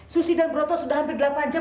susi dan broto sudah hampir delapan jam